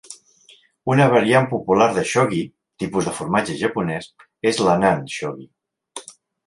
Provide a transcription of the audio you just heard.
Una variant popular de "shogi" (tipus de formatge japonès) és l'Annan shogi.